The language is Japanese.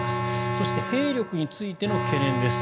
そして兵力についての懸念です。